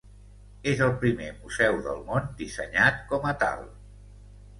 És el primer museu del món dissenyat com a tal.